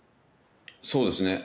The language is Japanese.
そうですね。